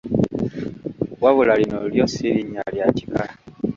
Wabula lino lyo si linnya lya kika.